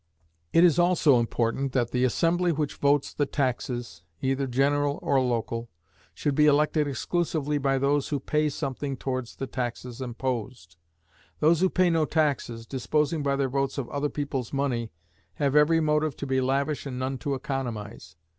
It is also important, that the assembly which votes the taxes, either general or local, should be elected exclusively by those who pay something towards the taxes imposed. Those who pay no taxes, disposing by their votes of other people's money, have every motive to be lavish and none to economize.